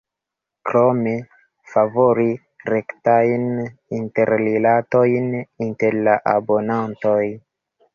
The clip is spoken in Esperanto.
Krome, favori rektajn interrilatojn inter la abonantoj.